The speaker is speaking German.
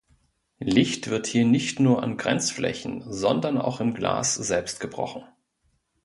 Licht wird hier nicht nur an Grenzflächen, sondern auch im Glas selbst gebrochen.